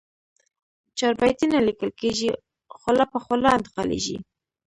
چاربیتې نه لیکل کېږي، خوله په خوله انتقالېږي.